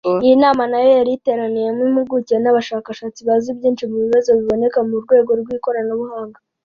iyi nama nayo yari iteraniyemo impuguke n’abashakashatsi bazi byinshi mu bibazo biboneka mu rwego rw’ikoranabuhanga